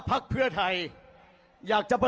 ถามเพื่อให้แน่ใจ